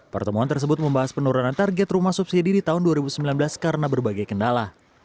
pertemuan tersebut membahas penurunan target rumah subsidi di tahun dua ribu sembilan belas karena berbagai kendala